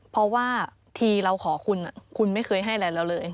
เพราะว่าทีเราขอคุณคุณไม่เคยให้อะไรเราเลย